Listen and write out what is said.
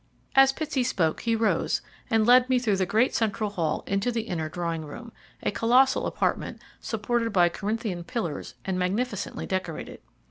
As Pitsey spoke he rose and led me through the great central hall into the inner drawing room, a colossal apartment supported by Corinthian pillars and magnificently decorated.